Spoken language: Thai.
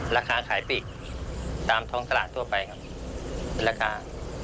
ราคาขายปีกตามท้องตลาดทั่วไปครับราคา